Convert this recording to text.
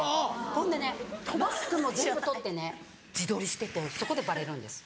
ほんでねマスクも全部取ってね自撮りしててそこでバレるんです。